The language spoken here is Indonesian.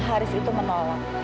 haris itu menolak